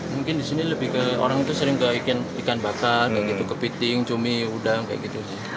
mungkin di sini lebih ke orang itu sering ke ikan bakar kayak gitu kepiting cumi udang kayak gitu sih